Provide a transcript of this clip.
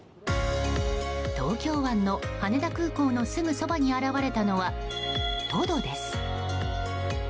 東京湾の羽田空港のすぐそばに現れたのはトドです。